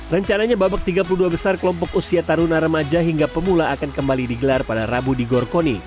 rencananya babak tiga puluh dua besar kelompok usia taruna remaja hingga pemula akan kembali digelar pada rabu di gorkoni